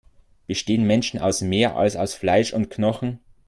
Bestehen Menschen aus mehr, als aus Fleisch und Knochen?